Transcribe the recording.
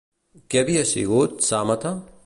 Què havia sigut Psàmate?